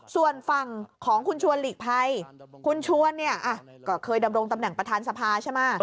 ส่วนฝั่งของคุณชวนหลีกภัยคุณชวนเนี่ยก็เคยดำรงตำแหน่งประธานสภาใช่ไหม